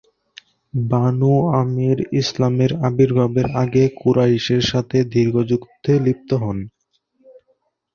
Banu Amir ইসলামের আবির্ভাবের আগে কুরাইশের সাথে দীর্ঘ যুদ্ধে লিপ্ত ছিল।